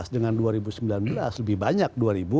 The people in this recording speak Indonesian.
dengan dua ribu sembilan belas lebih banyak